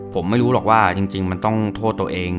ผมไม่รู้หรอกว่าจริงมันต้องโทษตัวเอง